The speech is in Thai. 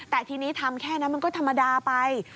แต่ทีนี้ทำแค่นั้นมันก็ธรรมดาไป